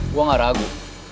gue gak ragu